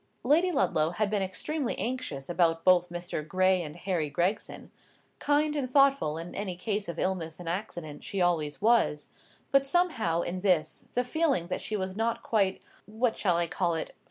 Lady Ludlow had been extremely anxious both about Mr. Gray and Harry Gregson. Kind and thoughtful in any case of illness and accident, she always was; but somehow, in this, the feeling that she was not quite—what shall I call it?